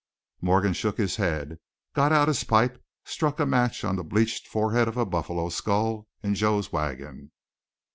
Morgan shook his head, got out his pipe, struck a match on the bleached forehead of a buffalo skull in Joe's wagon.